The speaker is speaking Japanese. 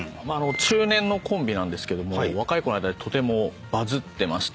中年のコンビなんですけども若い子の間でとてもバズってまして。